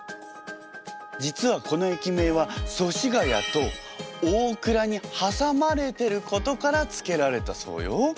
実はこの駅名は祖師谷と大蔵に挟まれてることから付けられたそうよ。